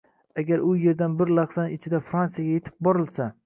Agar u yerdan bir lahzaning ichida Fransiyaga yetib borilsa